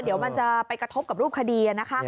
เดี๋ยวมันจะไปกระทบกับรูปคดีนะคะ